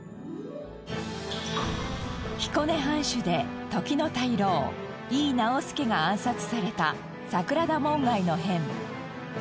彦根藩主で時の大老井伊直弼が暗殺された桜田門外の変。